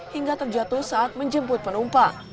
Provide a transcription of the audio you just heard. hingga terjatuh saat menjemput penumpang